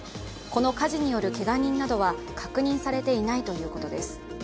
この火事によるけが人などは確認されていないということです。